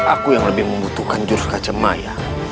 aku yang lebih membutuhkan jurus kacamaya